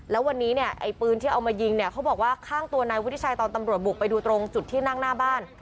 แล้ววันนี้เนี่ยไอ้ปืนที่เอามายิงเนี่ยเขาบอกว่าข้างตัวนายวุฒิชัยตอนตำรวจบุกไปดูตรงจุดที่นั่งหน้าบ้าน